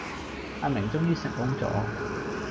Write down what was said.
阿明終於成功咗